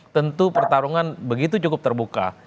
tentu pertarungan begitu cukup terbuka